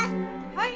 はい！